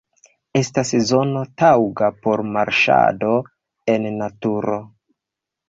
Estas zono taŭga por marŝado en naturo.